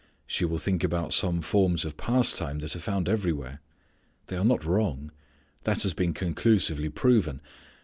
She will think about some forms of pastime that are found everywhere. They are not wrong, that has been conclusively proven.